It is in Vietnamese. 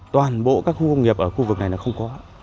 toàn bộ các khu công nghiệp ở khu vực này là không có